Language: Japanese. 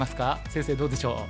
先生どうでしょう？